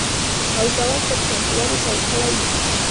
او ځواب ته په چتموالي پیل کړی وي.